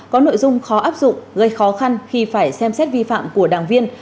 có nội dung khó áp dụng gây khó khăn khi phải xem xét vi phạm của đảng viên